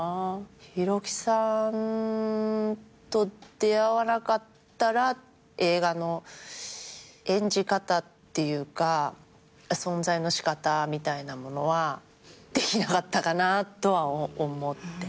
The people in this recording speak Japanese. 廣木さんと出会わなかったら映画の演じ方っていうか存在の仕方みたいなものはできなかったかなとは思って。